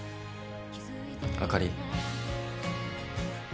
あかり。